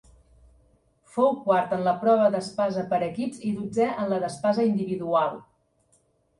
Fou quart en la prova d'espasa per equips i dotzè en la d'espasa individual.